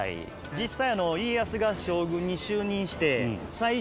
実際。